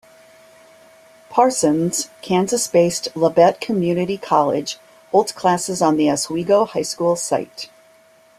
Parsons, Kansas-based Labette Community College holds classes on the Oswego High School site.